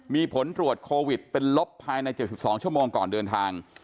มีผลตรวจโควิดเป็นลบภายใน๗๒ชั่วโมงก่อนเดินทาง